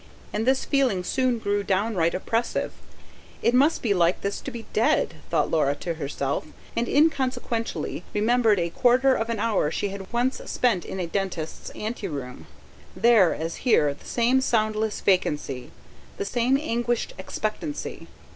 And this feeling soon grew downright oppressive: it must be like this to be dead, thought Laura to herself; and inconsequently remembered a quarter of an hour she had once spent in a dentist's ante room: there as here the same soundless vacancy, the same anguished expectancy.